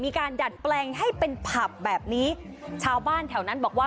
ดัดแปลงให้เป็นผับแบบนี้ชาวบ้านแถวนั้นบอกว่า